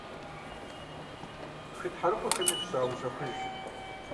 Хы тхьэрыкъуэхэми заущэхуж.